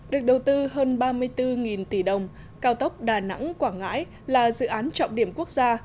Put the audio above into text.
được đầu tư hơn ba mươi bốn tỷ đồng cao tốc đà nẵng quảng ngãi là dự án trọng điểm quốc gia